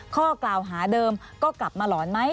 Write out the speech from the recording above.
ข้อกล่าวหาเดิมก็กลับมาหลอนไหม